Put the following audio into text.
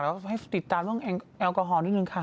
แล้วให้ติดตามเรื่องแอลกอฮอลนิดนึงค่ะ